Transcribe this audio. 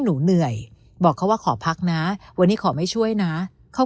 หนูเหนื่อยบอกเขาว่าขอพักนะวันนี้ขอไม่ช่วยนะเขา